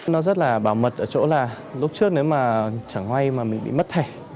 nó rất là bảo mật ở chỗ là lúc trước nếu mà chẳng may mà mình bị mất thẻ